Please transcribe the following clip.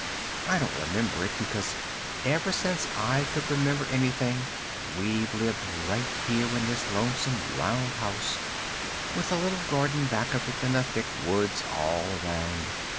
I don't remember it, because ever since I could remember anything we've lived right here in this lonesome, round house, with a little garden back of it and the thick woods all around.